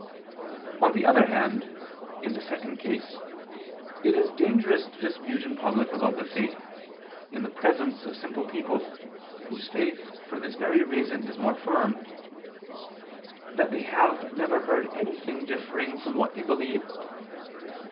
On the other hand, in the second case it is dangerous to dispute in public about the faith, in the presence of simple people, whose faith for this very reason is more firm, that they have never heard anything differing from what they believe.